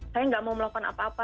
saya nggak mau melakukan apa apa